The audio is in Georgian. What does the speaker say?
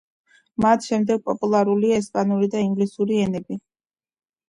მათ შემდეგ პოპულარულია ესპანური და ინგლისური ენები.